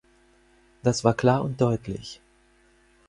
Das war klar und deutlich.